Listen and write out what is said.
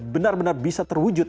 benar benar bisa terwujud